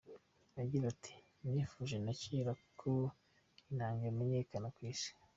Agira ati “Nifuje na kera ko inanga imenyekana ku isi.